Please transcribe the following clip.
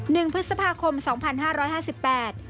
หนึ่งพฤษภาคมสองพันห้าร้อยห้าสิบแปด